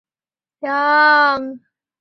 许仕仁是香港赛马会会员等。